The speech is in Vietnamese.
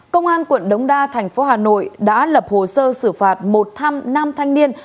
công an quận đống đa thành phố hà nội đã lập hồ sơ xử phạt một tham nam thanh niên